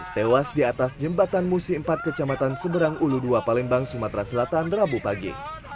tewas di atas jembatan musi empat kecamatan seberang ulu dua palembang sumatera selatan rabu pagi